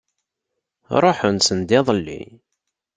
Ṛuḥen send iḍelli.